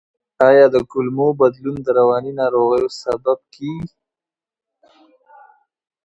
آیا د کولمو بدلون د رواني ناروغیو سبب کیږي؟